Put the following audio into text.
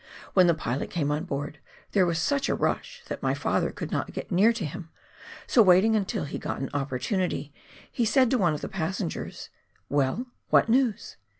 When the pilot came on board, there was such a rush that my father could not get near to him, so waiting until he got an opportunity, he said to one of the passengers, " Well, what news